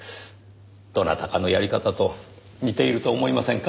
どなたかのやり方と似ていると思いませんか？